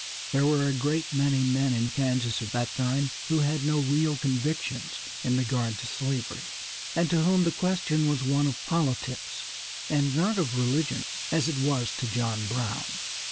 There were a great many men in Kansas at that time who had no real convictions in regard to slavery, and to whom the question was one of politics, and not of religion, as it was to John Brown.